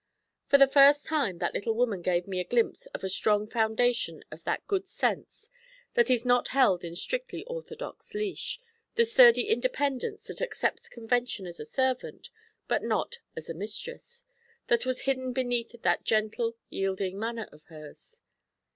For the first time that little woman gave me a glimpse of a strong foundation of that good sense that is not held in strictly orthodox leash, the sturdy independence that accepts convention as a servant but not as a mistress, that was hidden beneath that gentle, yielding manner of hers.